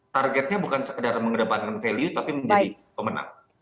targetnya bukan sekedar mengedepankan value tapi menjadi pemenang